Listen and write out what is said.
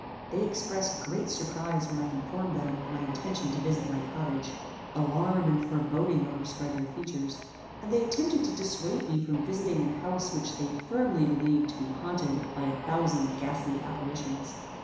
They expressed great surprize when I informed them of my intention to visit my cottage. Alarm and foreboding overspread their features, and they attempted to dissuade me from visiting an house which they firmly believed to be haunted by a thousand ghastly apparitions.